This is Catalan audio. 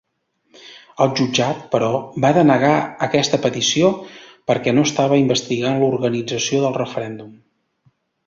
El jutjat, però, va denegar aquesta petició perquè no estava investigant l'organització del referèndum.